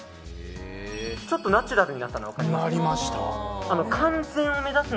ちょっとナチュラルになるの分かります？